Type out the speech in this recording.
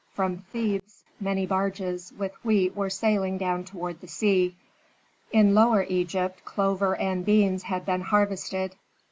From Thebes many barges with wheat were sailing down toward the sea; in Lower Egypt clover and beans had been harvested.